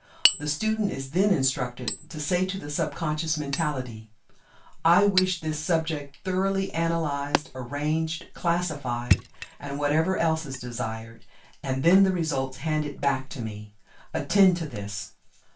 The student is then instructed to say to the sub conscious mentality: "I wish this subject thoroughly analyzed, arranged, classified (and whatever else is desired) and then the results handed back to me. Attend to this."